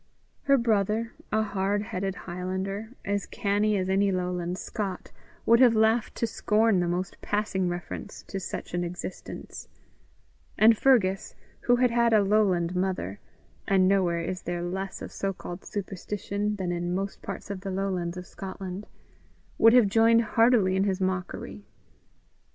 Her brother, a hard headed highlander, as canny as any lowland Scot, would have laughed to scorn the most passing reference to such an existence; and Fergus, who had had a lowland mother and nowhere is there less of so called superstition than in most parts of the lowlands of Scotland would have joined heartily in his mockery.